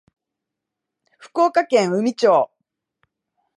福岡県宇美町